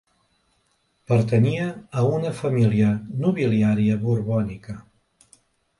Pertanyia a una família nobiliària borbònica.